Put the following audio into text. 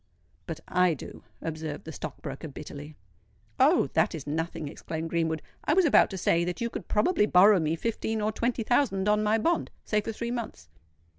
"But I do," observed the stock broker bitterly. "Oh! that is nothing," exclaimed Greenwood. "I was about to say that you could probably borrow me fifteen or twenty thousand on my bond—say for three months."